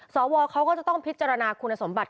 สวเขาก็จะต้องพิจารณาคุณสมบัติ